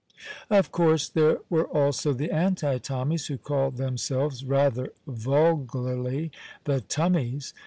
Of course there were also the Anti Tommies, who called themselves (rather vulgarly) the Tummies.